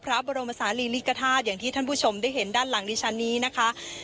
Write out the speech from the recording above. พระบรมศาลีลิกธาตุอย่างที่ท่านผู้ชมได้เห็นด้านหลังดิฉันนี้นะคะ